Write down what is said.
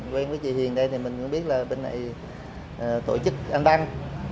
quen với chị hiền đây thì mình cũng biết là bên này tổ chức anh đăng